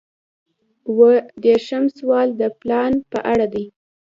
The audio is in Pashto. اووه دېرشم سوال د پلان په اړه دی.